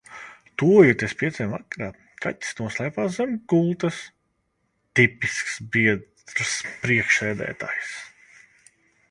Tuvojoties pieciem vakarā, kaķis noslēpās zem gultas. Tipisks biedrs priekšsēdētājs.